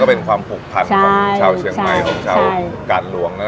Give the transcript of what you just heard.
มันก็เป็นความปลุกพันธ์ของชาวเชียงไม้ของชาวกาลหลวงนะ